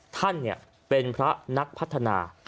ท่านเป็นพระนักพัฒนา